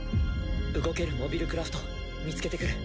動けるモビルクラフト見つけてくる。